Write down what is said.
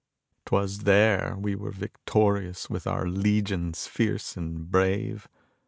'Twas there we were victorious with our legions fierce and brave.